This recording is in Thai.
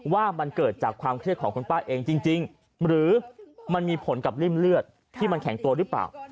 ว่ามันเกิดจากความเครียดของคุณป้าเองจริงหรือมันมีผลกับริ่มเลือดที่มันแข็งตัวหรือเปล่า